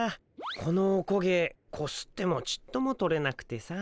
このおこげこすってもちっとも取れなくてさ。